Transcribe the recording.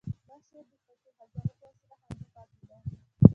دا شعر د پټې خزانې په وسیله خوندي پاتې دی.